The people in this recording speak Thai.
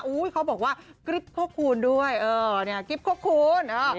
อุ้ยเขาบอกว่ากริ๊บคกคูณด้วยเออเนี่ยกริ๊บคกคูณ